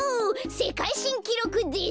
せかいしんきろくです。